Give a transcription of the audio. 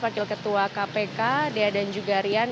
wakil ketua kpk dea dan juga rian